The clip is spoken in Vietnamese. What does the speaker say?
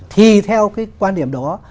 thì theo cái quan điểm đó